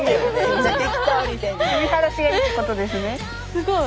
すごい。